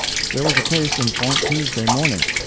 There was a case in point Tuesday morning.